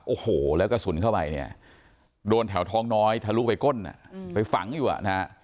โอ้โหแล้วกระสุนเข้าไปเนี่ยโดนแถวท้องน้อยทะลุไปก้นไปฝังอยู่อ่ะนะฮะ